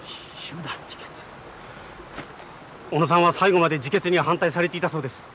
小野さんは最後まで自決に反対されていたそうです。